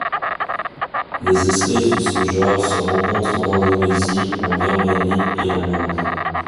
Les espèces de ce genre se rencontre en Indonésie, en Birmanie et en Inde.